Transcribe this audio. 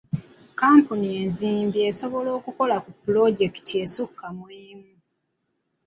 Kampuni enzimbi esobola okukola ku pulojekiti esukka mu emu.